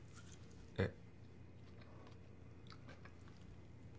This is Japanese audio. えっ。